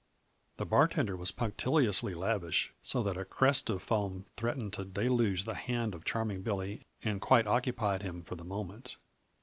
The bartender was punctiliously lavish, so that a crest of foam threatened to deluge the hand of Charming Billy and quite occupied him for the moment.